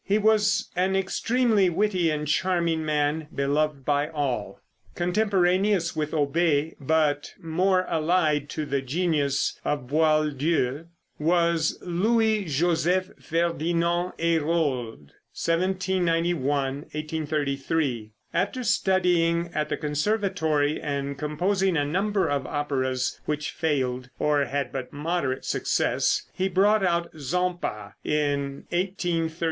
He was an extremely witty and charming man, beloved by all. Contemporaneous with Auber, but more allied to the genius of Boieldieu, was Louis Joseph Ferdinand Hérold, (1791 1833). After studying at the Conservatory and composing a number of operas which failed, or had but moderate success, he brought out "Zampa," in 1831.